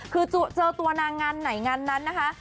คือเจอตัวนางงานไหนงานนั้นนะคะ